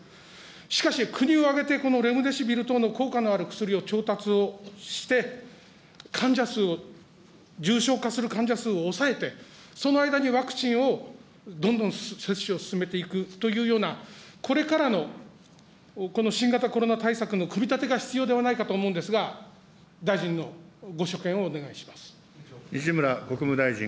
しかし、国を挙げてこのレムデシビル等の効果のある薬を調達をして、患者数を、重症化する患者数を抑えて、その間にワクチンを、どんどん接種を進めていくというような、これからのこの新型コロナ対策の組み立てが必要ではないかと思うのですが、大臣のご所見をお願いします。